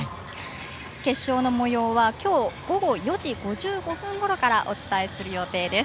決勝のもようは今日午後４時５４分ごろからお伝えする予定です。